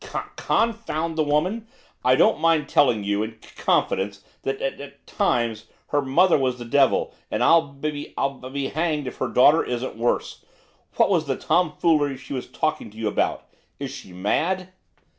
c confound the women! I don't mind telling you, in c confidence, that at at times, her mother was the devil, and I'll be I'll be hanged if her daughter isn't worse. What was the tomfoolery she was talking to you about? Is she mad?